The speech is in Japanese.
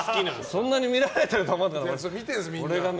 そんなに見られてるとは。